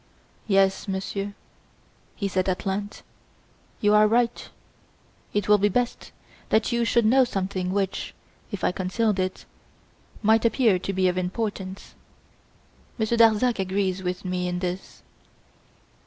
"Yes, Monsieur," he said at length, "you are right. It will be best that you should know something which, if I concealed it, might appear to be of importance; Monsieur Darzac agrees with me in this."